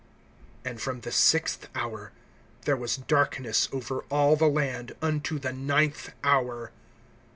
(45)And from the sixth hour, there was darkness over all the land, unto the ninth hour.